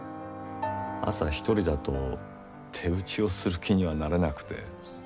朝一人だと手打ちをする気にはなれなくて。